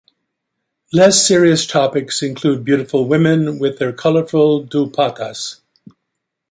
Less serious topics include beautiful women with their colourful duppattas.